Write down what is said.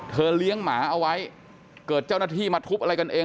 เลี้ยงหมาเอาไว้เกิดเจ้าหน้าที่มาทุบอะไรกันเอง